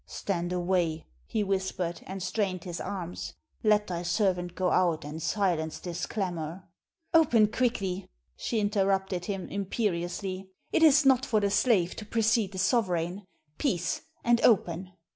"Stand away," he whispered, and strained his arms. "Let thy servant go out and silence this clamor " "Open quickly!" she interrupted him, imperiously. "It is not for the slave to precede the sovereign. Peace, and open."